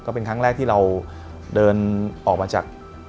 เป็นครั้งแรกที่เราเดินออกมาจาก